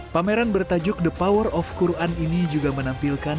pameran bertajuk the power of quran ini juga menampilkan